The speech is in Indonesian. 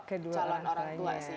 kedua orang tua